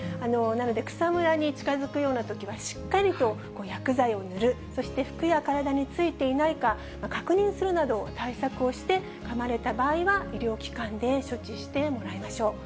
なので草むらに近づくようなときには、しっかりと薬剤を塗る、そして服や体についていないか、確認するなど、対策をして、かまれた場合は医療機関で処置してもらいましょう。